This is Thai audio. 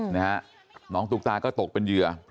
น้าสาวของน้าผู้ต้องหาเป็นยังไงไปดูนะครับ